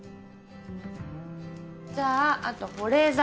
じゃああと保冷剤。